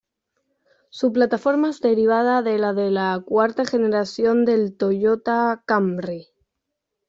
Su plataforma es derivada de la de la cuarta generación del Toyota Camry.